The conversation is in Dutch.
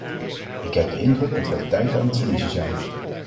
Ik heb de indruk dat wij tijd aan het verliezen zijn.